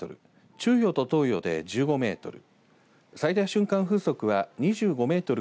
中予と東予で１５メートル